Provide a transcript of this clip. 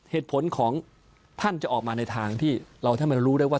เหตุผลของท่านจะออกมาในทางที่เราท่านมารู้ได้ว่า